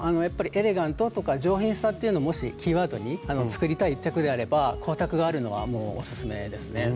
やっぱりエレガントとか上品さっていうのをもしキーワードに作りたい一着であれば光沢があるのはもうおすすめですね。